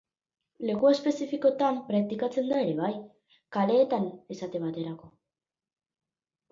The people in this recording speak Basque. Leku ez espezifikoetan praktikatzen da ere bai, kaleetan esate baterako.